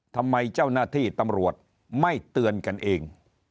ทำไมเจ้าหน้าที่ตำรวจไม่เตือนกันเอง